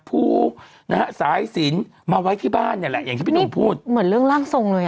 ภูนะฮะสายสินมาไว้ที่บ้านเนี่ยแหละอย่างที่พี่หนุ่มพูดเหมือนเรื่องร่างทรงเลย